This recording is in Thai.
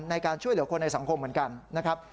ในการช่วยเหลือคนในสังคมเหมือนกันนะครับ